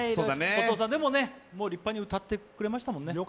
お父さん、でも、立派に歌ってくれましたもんね。